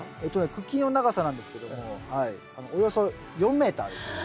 茎の長さなんですけどもおよそ４メーターです。